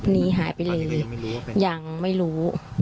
หนีหายไปเลยยังไม่รู้